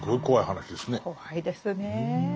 怖いですね。